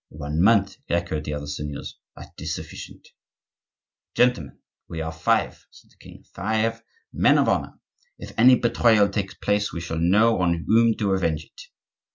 "One month," echoed the other seigneurs, "that is sufficient." "Gentlemen, we are five," said the king,—"five men of honor. If any betrayal takes place, we shall know on whom to avenge it."